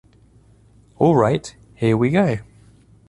All right, here we go!